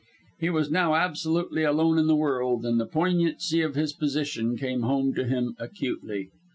He was now absolutely alone in the world, and the poignancy of his position came home to him acutely.